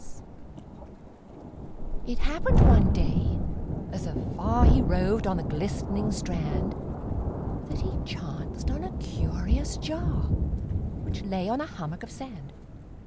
It happened one day, as afar He roved on the glistening strand, That he chanced on a curious jar, Which lay on a hummock of sand.